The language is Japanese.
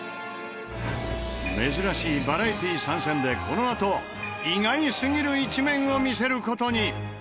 珍しいバラエティ参戦でこのあと意外すぎる一面を見せる事に！